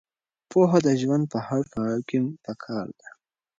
پوهه د ژوند په هر پړاو کې پکار ده.